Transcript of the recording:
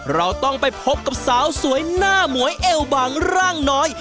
เราต้องไปพบกับสาวสวยหน้าหมวยเอวบางร่างน้อย